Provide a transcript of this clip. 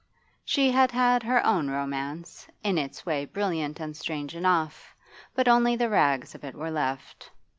She had had her own romance, in its way brilliant and strange enough, but only the rags of it were left.